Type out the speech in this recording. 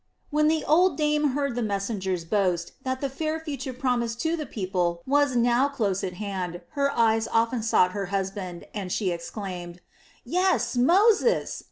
When the old dame heard the messengers boast that the fair future promised to the people was now close at hand, her eyes often sought her husband, and she exclaimed: "Yes, Moses!"